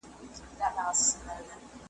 محفل دي خوږدی می که تر خه دي ,